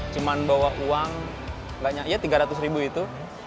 cuma bawa uang banyak ya tiga ratus ribu itu